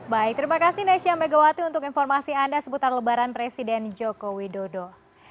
baik terima kasih nesya megawati untuk informasi anda seputar lebaran presiden joko widodo